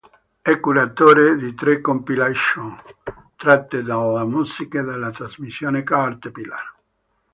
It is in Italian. È curatore di tre compilation tratte dalle musiche della trasmissione Caterpillar.